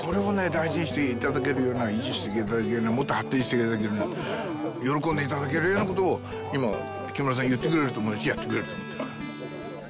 大事にしていただけるような維持していただけるようなもっと発展していただけるような喜んでいただけるようなことを今木村さん言ってくれると思うしやってくれると思っているから。